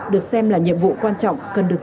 được xem là nhiệm vụ quan trọng cần được